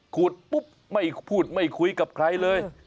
ขุดปุ๊บไม่พูดไม่คุยกับใครเลย